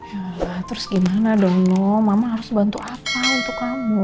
ya terus gimana dong mama harus bantu apa untuk kamu